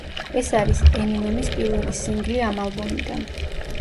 ეს არის ემინემის პირველი სინგლი ამ ალბომიდან.